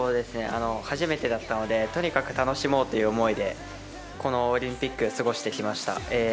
初めてだったのでとにかく楽しもうという思いでこのオリンピックを過ごしてきました。